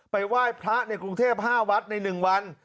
ไหว้พระในกรุงเทพ๕วัดใน๑วัน